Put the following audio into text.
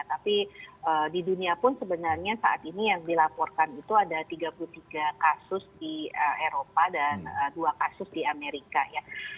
tapi di dunia pun sebenarnya saat ini yang dilaporkan itu ada tiga puluh tiga kasus di eropa dan dua kasus di amerika ya